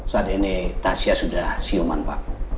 saat ini tasya sudah siuman pak